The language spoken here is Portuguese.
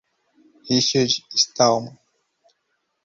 Richard Stallman